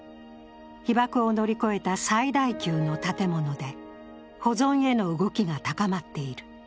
被爆を乗り越えた最大級の建物で保存への動きが高まっている。